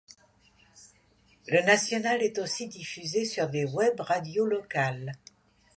Le National est aussi diffusé sur des webradios locales.